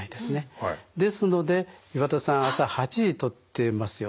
ですので岩田さん朝８時にとってますよね。